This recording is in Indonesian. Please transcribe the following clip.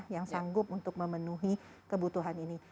yang sanggup untuk memenuhi kebutuhan ini